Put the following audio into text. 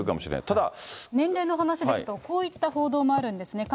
ただ、年齢の話ですと、こういった報道もあるんですね。